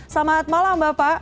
selamat malam bapak